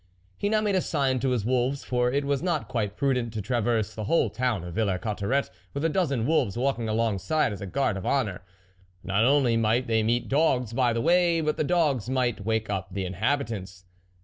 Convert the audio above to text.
He now made a sign to his wolves, for it was not quite prudent to traverse the whole town of Villers Cotterets with a dozen wolves walking alongside as a guard of honour ; not only might they meet dogs by the way, but the dogs might wake up the inhabitants.